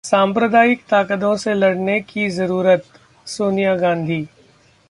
सांप्रदायिक ताकतों से लड़ने की जरूरत: सोनिया गांधी